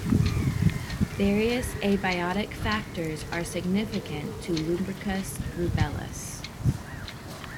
Various abiotic factors are significant to "Lumbricus rubellus".